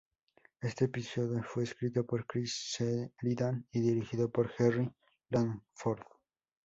Este episodio fue escrito por Chris Sheridan y dirigido por Jerry Langford.